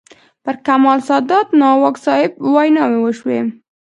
پر کمال سادات، ناوک صاحب ویناوې وشوې.